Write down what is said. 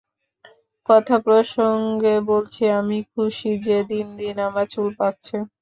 কথাপ্রসঙ্গে বলছি, আমি খুশী যে, দিনদিন আমার চুল পাকছে।